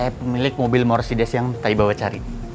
saya pemilik mobil mod sudes yang tadi bawa cari